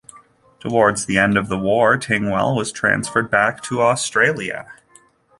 Towards the end of the war, Tingwell was transferred back to Australia.